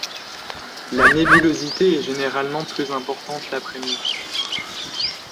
La nébulosité est généralement plus importante l'après-midi.